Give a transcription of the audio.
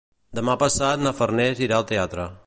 Demà passat na Farners irà al teatre.